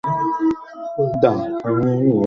তোমার দ্বারায় হবে না, গুঞ্জন!